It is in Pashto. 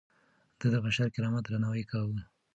ده د بشري کرامت درناوی کاوه.